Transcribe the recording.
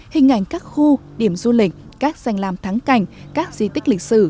hình ảnh các khu điểm du lịch các danh làm thắng cảnh các di tích lịch sử